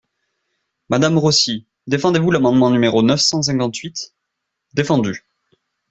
Madame Rossi, défendez-vous l’amendement numéro neuf cent cinquante-huit ? Défendu.